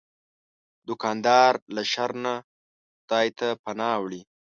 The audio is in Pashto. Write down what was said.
دوکاندار له شر نه خدای ته پناه وړي.